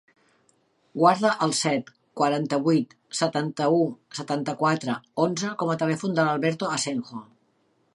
Guarda el set, quaranta-vuit, setanta-u, setanta-quatre, onze com a telèfon de l'Alberto Asenjo.